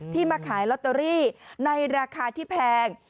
มาขายลอตเตอรี่ในราคาที่แพง